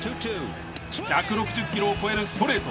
１６０キロを超えるストレート。